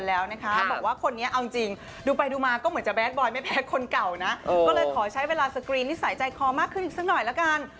แต่คนเก่านะก็เลยขอใช้เวลาสกรีนิสัยใจคอมากขึ้นอีกสักหน่อยละกัน